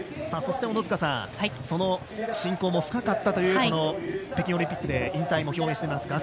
そして小野塚さん親交も深かったという北京オリンピックで引退を表明しています